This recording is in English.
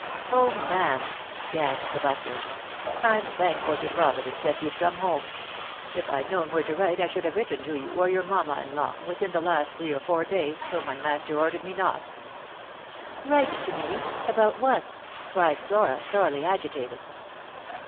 " ma'am," gasped the butler, " I'm thankful to Providence that you've come home ! If I'd known where to write I should have written to you, or your mamma in law, within the last three or four days, though my master ordered me not." " Write to me — about what ?" cried Flora, sorely agitated.